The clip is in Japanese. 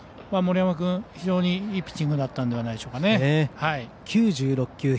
森山君、非常にいいピッチングだったんじゃないでしょうか。